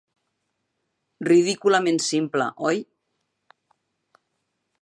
Ridículament simple, oi?